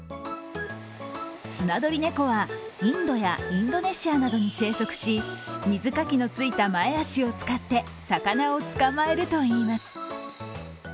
スナドリネコはインドやインドネシアなどに生息し水かきのついた前足を使って魚を捕まえるといいます。